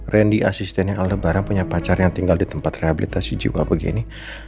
randy asisten yang aldebaran punya pacar yang tinggal di tempat rehabilitasi jiwa begini